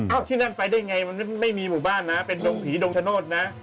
ที่นั่นไปได้ไงมันไม่มีหมู่บ้านนะเป็นดงผีดงชะโนธนะ